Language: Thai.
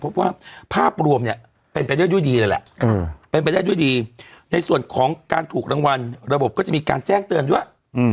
พบว่าภาพรวมเนี่ยเป็นไปด้วยดีเลยแหละเป็นไปได้ด้วยดีในส่วนของการถูกรางวัลระบบก็จะมีการแจ้งเตือนด้วย